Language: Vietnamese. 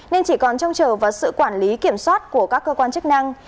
nên chỉ còn trông chờ vào sự quản lý kiểm soát của các cơ quan chức năng